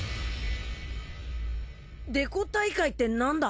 デコ大会って何だ？